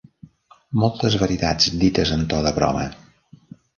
Moltes veritats dites en to de broma.